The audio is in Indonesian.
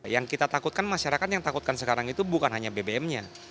yang kita takutkan masyarakat yang takutkan sekarang itu bukan hanya bbm nya